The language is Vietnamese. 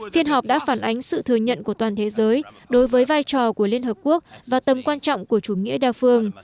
phiên họp đã phản ánh sự thừa nhận của toàn thế giới đối với vai trò của liên hợp quốc và tầm quan trọng của chủ nghĩa đa phương